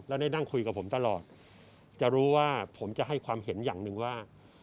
แล้วได้นั่งคุยกับผมตลอดจะรู้ว่าผมจะให้ความเห็นอย่างหนึ่งว่า